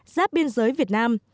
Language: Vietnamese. giáp biên giới việt nam